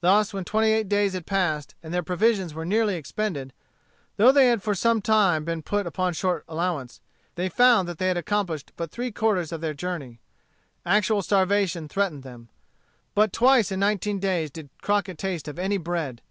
Thus, when twenty eight days had passed, and their provisions were nearly expended, though they had for some time been put on short allowance, they found that they had accomplished but three quarters of their journey. Actual starvation threatened them. But twice in nineteen days did Crockett Taste of any bread.